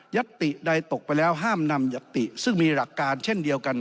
ติใดตกไปแล้วห้ามนำยัตติซึ่งมีหลักการเช่นเดียวกัน